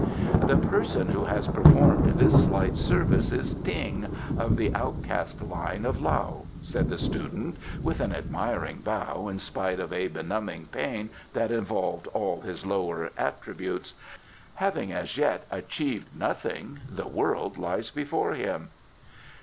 "The person who has performed this slight service is Ting, of the outcast line of Lao," said the student with an admiring bow in spite of a benumbing pain that involved all his lower attributes. "Having as yet achieved nothing, the world lies before him."